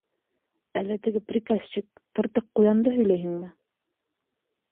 Әллә теге приказчик — тыртыҡ ҡуянды һөйләйһеңме?